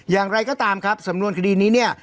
อย่างไรก็ตามครับสำนวนคดีนี้เนี่ย